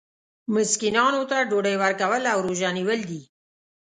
مسکینانو ته ډوډۍ ورکول او روژه نیول دي.